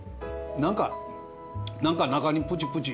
何か何か中にプチプチ。